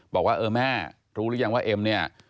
บอกว่าเออแม่รู้หรือยังว่าเอ็มเนี่ย